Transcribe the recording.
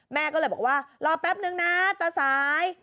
แม่ก็เลยบอกว่ารอแป๊บนึงนะตาสาย